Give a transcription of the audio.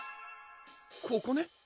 ここね？